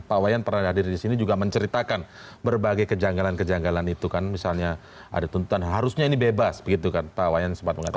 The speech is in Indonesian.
pak wayan pernah hadir di sini juga menceritakan berbagai kejanggalan kejanggalan itu kan misalnya ada tuntutan harusnya ini bebas begitu kan pak wayan sempat mengatakan